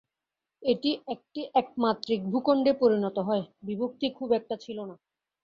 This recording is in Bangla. এটি একটি একমাত্রিক ভূখণ্ডে পরিণত হয়, বিভক্তি খুব একটা ছিল না।